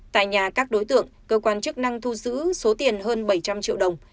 tại nhà các đối tượng cơ quan chức năng thu giữ số tiền hơn bảy trăm linh triệu đồng